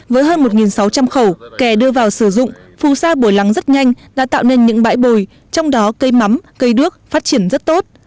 với hơn một sáu trăm linh khẩu kè đưa vào sử dụng phù sa bồi lắng rất nhanh đã tạo nên những bãi bồi trong đó cây mắm cây đước phát triển rất tốt